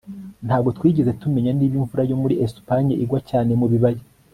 ntabwo twigeze tumenya niba imvura yo muri espagne igwa cyane mubibaya